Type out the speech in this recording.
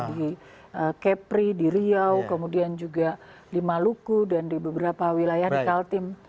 di kepri di riau kemudian juga di maluku dan di beberapa wilayah di kaltim